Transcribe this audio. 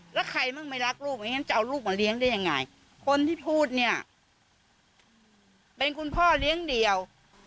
พ่อเนี่ยเลี้ยงลูกลูกสองคนพ่อทำหากินอยู่คนเดียว